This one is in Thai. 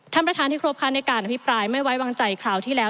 ท่านประธานที่ครบค่ะในการอภิปรายไม่ไว้วางใจคราวที่แล้ว